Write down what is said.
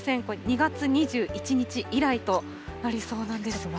これ、２月２１日以来となりそうなんです。